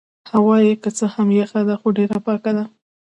هوا يې که څه هم یخه ده خو ډېره پاکه ده.